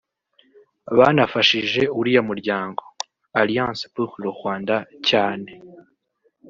Banafashije uriya muryango[Alliance pour le Rwanda] cyane